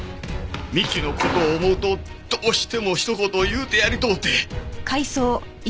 美樹の事を思うとどうしてもひと言言うてやりとうて。